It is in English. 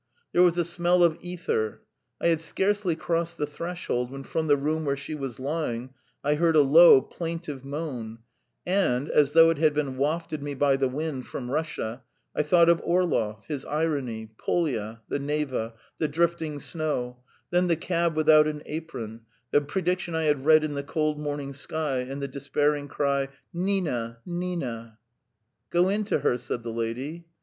There was a smell of ether. I had scarcely crossed the threshold when from the room where she was lying I heard a low, plaintive moan, and, as though it had been wafted me by the wind from Russia, I thought of Orlov, his irony, Polya, the Neva, the drifting snow, then the cab without an apron, the prediction I had read in the cold morning sky, and the despairing cry "Nina! Nina!" "Go in to her," said the lady.